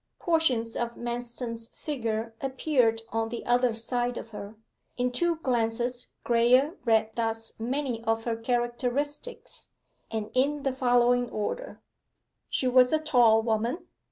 Portions of Manston's figure appeared on the other side of her. In two glances Graye read thus many of her characteristics, and in the following order: She was a tall woman.